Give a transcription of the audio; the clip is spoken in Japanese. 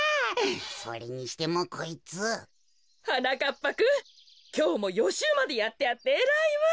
ぱくんきょうもよしゅうまでやってあってえらいわ。